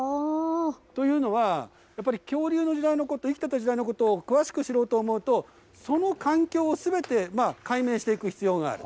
というのは、やっぱり恐竜の時代のこと、生きてた時代のことって詳しく知ろうと思うと、その環境をすべて解明していく必要がある。